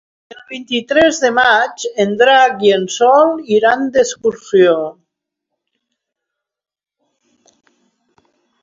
El vint-i-tres de maig en Drac i en Sol iran d'excursió.